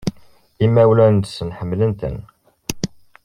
Imawlan-nnes ḥemmlen-ten.